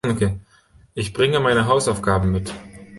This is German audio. Ich bringe meine Hausaufgaben mit.